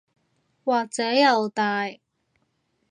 或者又大